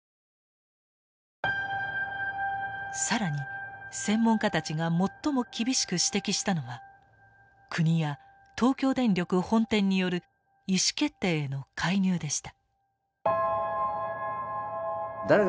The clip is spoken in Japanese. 更に専門家たちが最も厳しく指摘したのは国や東京電力本店による意思決定への介入でした。